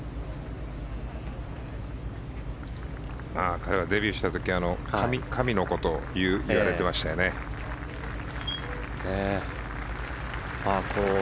彼はデビューした時神の子といわれてましたよね。